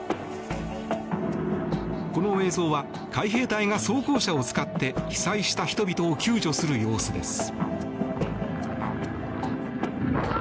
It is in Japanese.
この映像は海兵隊が装甲車を使って被災した人々を救助する様子です。